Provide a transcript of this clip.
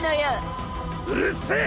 うるせえ！